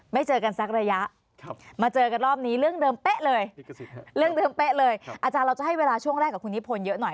เจอกันสักระยะมาเจอกันรอบนี้เรื่องเดิมเป๊ะเลยเรื่องเดิมเป๊ะเลยอาจารย์เราจะให้เวลาช่วงแรกกับคุณนิพนธ์เยอะหน่อย